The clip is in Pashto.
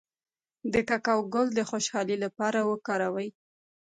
د کوکو ګل د خوشحالۍ لپاره وکاروئ